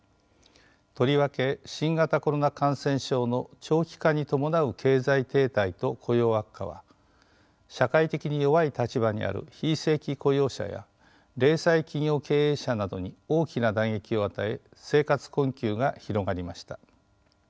とりわけ新型コロナ感染症の長期化に伴う経済停滞と雇用悪化は社会的に弱い立場にある非正規雇用者や零細企業経営者などに大きな打撃を与え生活困窮が広がりました。